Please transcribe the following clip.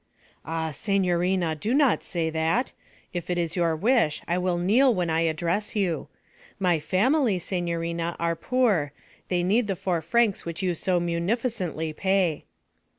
'Ah, signorina, do not say that! If it is your wish I will kneel when I address you. My family, signorina, are poor; they need the four francs which you so munificently pay.'